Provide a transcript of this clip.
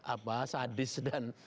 apa sadis dan